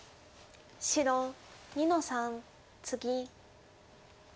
白２の三ツギ。